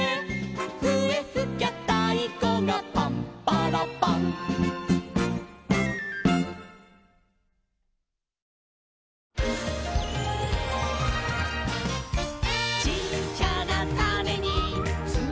「ふえふきゃたいこがパンパラパン」「ちっちゃなタネにつまってるんだ」